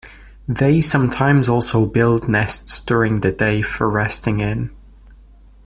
They sometimes also build nests during the day for resting in.